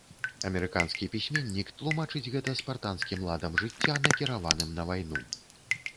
Амерыканскі пісьменнік тлумачыць гэта спартанскім ладам жыцця, накіраваным на вайну.